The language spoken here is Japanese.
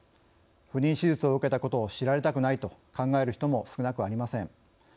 不妊手術を受けたことを知られたくないと考える人も少なくありません。